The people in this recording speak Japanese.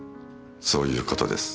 そういう事です。